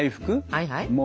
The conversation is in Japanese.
はいはい。